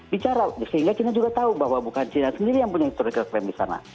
bicara sehingga kita juga tahu bahwa bukan china sendiri yang punya klaim di sana